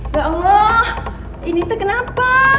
ya allah ini tuh kenapa